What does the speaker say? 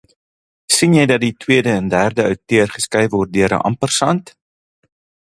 Sien jy dat die tweede en derde outeur geskei word deur 'n ampersand?